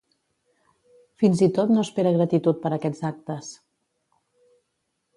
Fins i tot no espera gratitud per aquests actes.